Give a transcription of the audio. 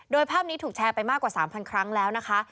โดยภาพนี้ถูกแชร์ไปมากกว่า๓๐๐ครั้งแล้วนะคะ